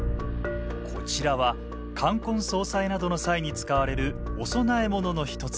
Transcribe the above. こちらは冠婚葬祭などの際に使われるお供え物の一つ。